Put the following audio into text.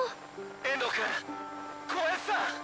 遠藤くん小林さん！